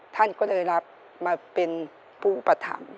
ท่านก็เลยรับมาเป็นผู้ประถำ